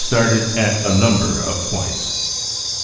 started at a number of points.